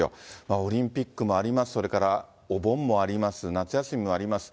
オリンピックもあります、それからお盆もあります、夏休みもあります。